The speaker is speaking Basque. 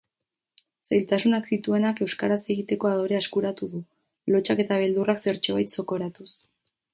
Zailtasunak zituenak euskaraz egiteko adorea eskuratu du, lotsak eta beldurrak zertxobait zokoratuz.